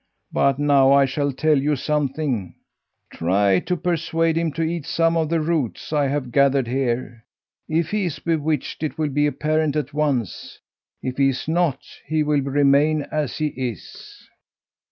But now I shall tell you something try to persuade him to eat some of the roots I have gathered here. If he is bewitched, it will be apparent at once. If he is not, he will remain as he is."